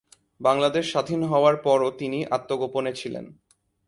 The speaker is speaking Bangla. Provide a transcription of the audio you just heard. বাংলাদেশ স্বাধীন হওয়ার পরও তিনি আত্মগোপনে ছিলেন।